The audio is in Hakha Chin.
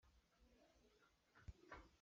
Unau pali ka ngeih hna.